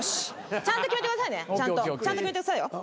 ちゃんと決めてくださいねちゃんと決めてくださいよ。